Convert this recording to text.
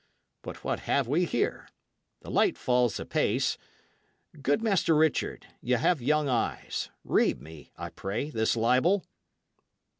But what have we here? The light falls apace. Good Master Richard, y' have young eyes. Read me, I pray, this libel."